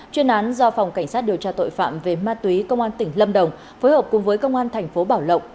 chuyên án do phòng cảnh sát điều tra tội phạm về ma túy công an tỉnh lâm đồng phối hợp cùng với công an thành phố bảo lộc